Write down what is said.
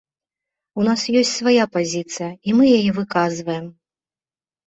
У нас ёсць свая пазіцыя і мы яе выказваем.